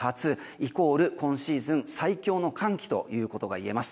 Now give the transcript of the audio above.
イコール今シーズン最強の寒気ということがいえます。